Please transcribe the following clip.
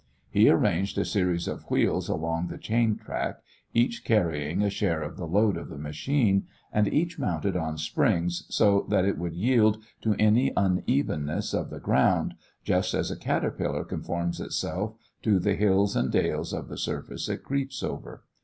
He arranged a series of wheels along the chain track, each carrying a share of the load of the machine, and each mounted on springs so that it would yield to any unevenness of the ground, just as a caterpillar conforms itself to the hills and dales of the surface it creeps over.